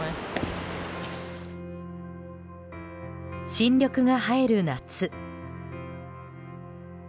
新緑が映える夏。